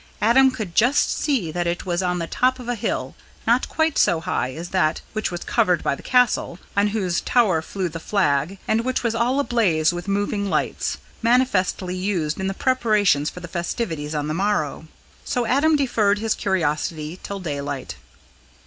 Adam could just see that it was on the top of a hill, not quite so high as that which was covered by the Castle, on whose tower flew the flag, and which was all ablaze with moving lights, manifestly used in the preparations for the festivities on the morrow. So Adam deferred his curiosity till daylight.